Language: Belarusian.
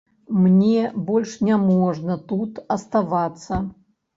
Мне больш няможна тут аставацца.